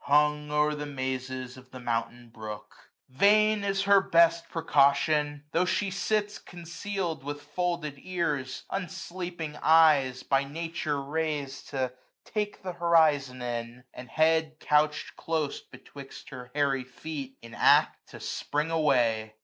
Hung o*er the mazes of the mountain brook. AUTUMN. 137 Vain is her best precaution ; tho' she sits 410 Conceal'd, with folded ears ; unsleeping eyes. By Nature rais'd to take th' horizon in ; And head couch M close betwixt her hairy feet. In act to spring away.